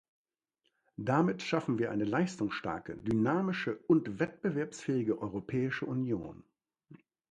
Damit schaffen wir eine leistungsstarke, dynamische und wettbewerbsfähige Europäische Union.